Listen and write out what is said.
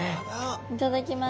いただきます。